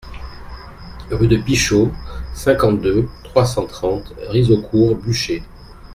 Rue de Pichot, cinquante-deux, trois cent trente Rizaucourt-Buchey